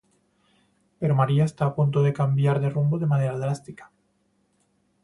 Pero María está a punto de cambiar de rumbo de manera drástica.